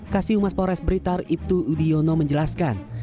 kasiumas pores blitar ibtu udiono menjelaskan